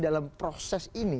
dalam proses ini